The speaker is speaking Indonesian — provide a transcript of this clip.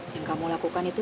yang kamu lakukan itu